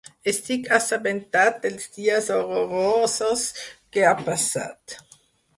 Estic assabentat dels dies horrorosos que ha passat.